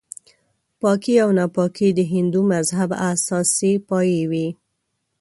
پاکي او ناپاکي د هندو مذهب اساسي پایې وې.